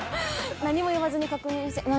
何も言わずに確認して。